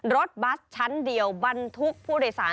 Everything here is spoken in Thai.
รถบัสชั้นเดียวบรรทุกผู้โดยสาร